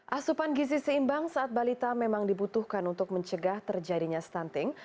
asupan gizi seimbang saat balita memang dibutuhkan untuk mencegah terjadinya stunting